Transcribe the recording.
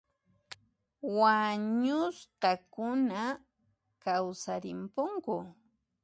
Wañusqakuna kawsarimpunku